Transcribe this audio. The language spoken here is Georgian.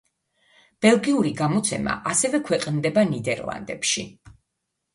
ბელგიური გამოცემა, ასევე ქვეყნდება ნიდერლანდებში.